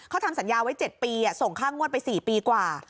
เขาทำสัญญาไว้๗ปีส่งค่างวดไป๔ปีกว่า